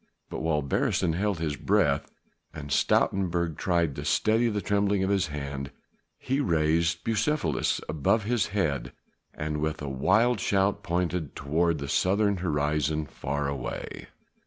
But while Beresteyn held his breath and Stoutenburg tried to steady the trembling of his hand, he raised Bucephalus above his head and with a wild shout pointed toward the southern horizon far away.